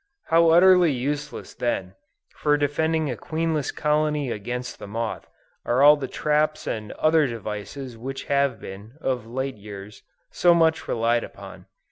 How utterly useless then, for defending a queenless colony against the moth, are all the traps and other devices which have been, of late years, so much relied upon.